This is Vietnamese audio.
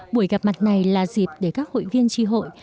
buổi gặp mặt này là dịp để các hội viên tri hội